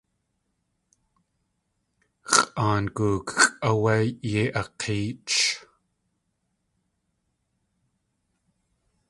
X̲ʼaan gookxʼ áwé yéi ak̲éech.